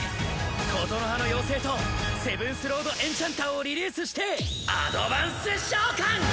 ことのはの妖精とセブンスロード・エンチャンターをリリースしてアドバンス召喚！